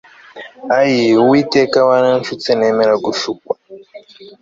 ayii uwiteka waranshutse nemera gushukwa